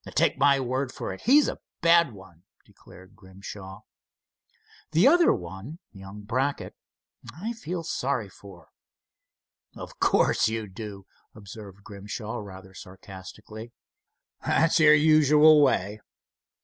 "Take my word for it, he's a bad one," declared Grimshaw. "The other one—young Brackett—I feel sorry for." "Of course you do," observed Grimshaw, rather sarcastically; "that's your usual way.